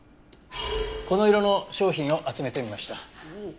この色の商品を集めてみました。